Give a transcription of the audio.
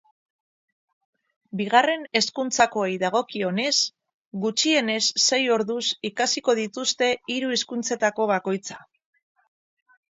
Bigarren hezkuntzakoei dagokionez, gutxienez sei orduz ikasiko dituzte hiru hizkuntzetako bakoitza.